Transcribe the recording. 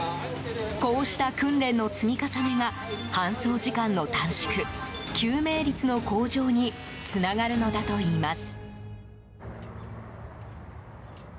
こうした訓練の積み重ねが搬送時間の短縮、救命率の向上につながるのだといいます。